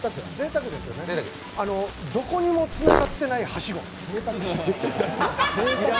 どこにもつながってないはしご。